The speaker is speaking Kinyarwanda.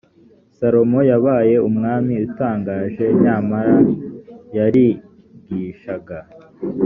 salomo yabaye umwami utangaje nyamara yarigishaga.